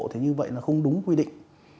thì như vậy là không đúng quy định